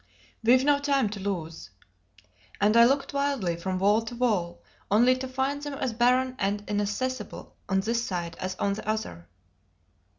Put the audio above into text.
"We've no time to lose." And I looked wildly from wall to wall, only to find them as barren and inaccessible on this side as on the other.